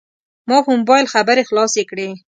ما په موبایل خبرې خلاصې کړې.